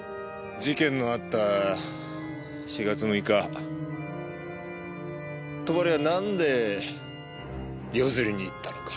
事件のあった４月６日戸張はなんで夜釣りに行ったのか？